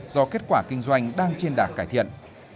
do kết quả kinh doanh đang trên đà cải thiện